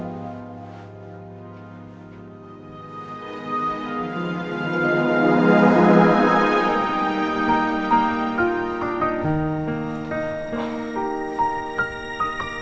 rupanya kalau sampai nanti squid